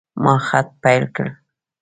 ما خط پیل کړ.